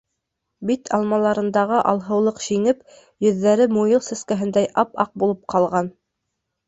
Бит алмаларындағы алһыулыҡ шиңеп, йөҙҙәре муйыл сәскәһендәй ап-аҡ булып ҡалған.